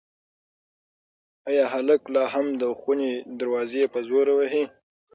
ایا هلک لا هم د خونې دروازه په زور وهي؟